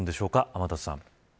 天達さん。